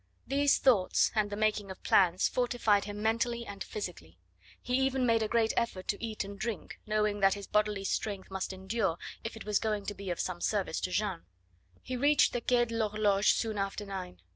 These thoughts, and the making of plans, fortified him mentally and physically; he even made a great effort to eat and drink, knowing that his bodily strength must endure if it was going to be of service to Jeanne. He reached the Quai de l'Horloge soon after nine.